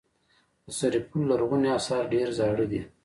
د سرپل لرغوني اثار ډیر زاړه دي